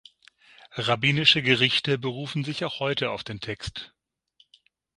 Rabbinische Gerichte berufen sich auch heute auf den Text.